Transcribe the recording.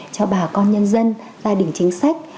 cho bà con nhân dân gia đình chính sách